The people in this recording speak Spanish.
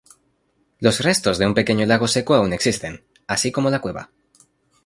Los restos de un pequeño lago seco aún existen, así como la cueva.